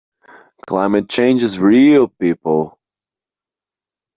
Climate change is real, people.